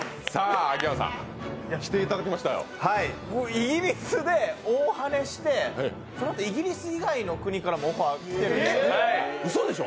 イギリスで大はねして、そのあとイギリス以外の国からもオファー、来てるんでしょ。